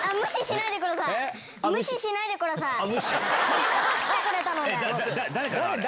せっかく来てくれたので。